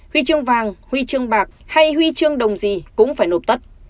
huy chương vàng huy chương bạc hay huy chương đồng gì cũng phải nộp tất